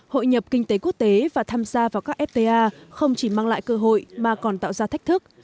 hội nhập kinh tế quốc tế và tham gia vào các fta không chỉ mang lại cơ hội mà còn tạo ra thách thức